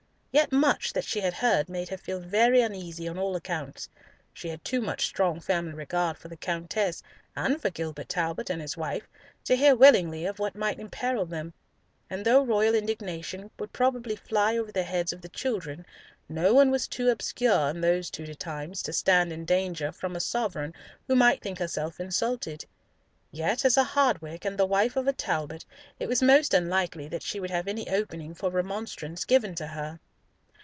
Yet much that she had heard made her feel very uneasy on all accounts. She had too much strong family regard for the Countess and for Gilbert Talbot and his wife to hear willingly of what might imperil them, and though royal indignation would probably fly over the heads of the children, no one was too obscure in those Tudor times to stand in danger from a sovereign who might think herself insulted. Yet as a Hardwicke, and the wife of a Talbot, it was most unlikely that she would have any opening for remonstrance given to her.